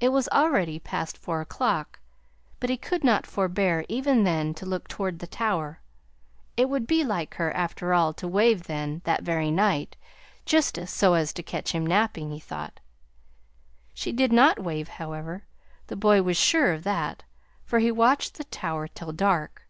It was already past four o'clock, but he could not forbear, even then, to look toward the tower. It would be like her, after all, to wave then, that very night, just so as to catch him napping, he thought. She did not wave, however. The boy was sure of that, for he watched the tower till dark.